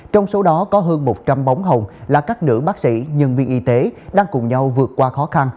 trong số đó có hơn một trăm linh bóng hồng là các nữ bác sĩ nhân viên y tế đang cùng nhau vượt qua khó khăn